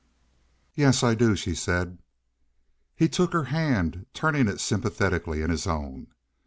"Yes, I do," she said. He took her hand, turning it sympathetically in his own.